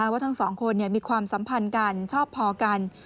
ว่าทั้งสองคนมีความสัมพันธ์กันชอบพอกัน